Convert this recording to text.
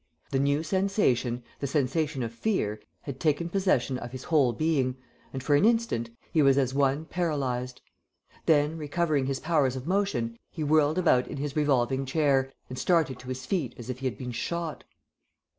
The new sensation the sensation of fear had taken possession of his whole being, and, for an instant, he was as one paralyzed. Then, recovering his powers of motion, he whirled about in his revolving chair and started to his feet as if he had been shot.